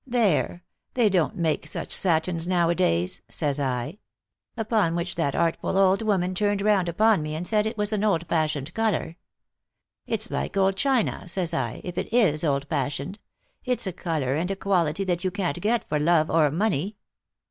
There — they don't make such satins nowadays,' says I. Upon which that artful old woman turned round upon me and said it was an old fashioned colour. ' It's like old china,' says I, ' if it is old fashioned. It's a colour and a quality that you can't get for love or money.'